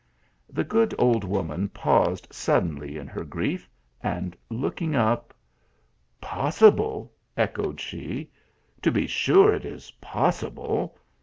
The good old woman paused suddenly in her grief, and looking up " Possible !" echoed she, "to be sure it is possible.